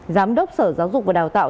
giám đốc sở giáo dục và đào tạo